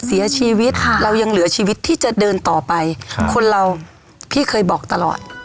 เสียชีวิตค่ะเรายังเหลือชีวิตที่จะเดินต่อไปครับคนเราพี่เคยบอกตลอด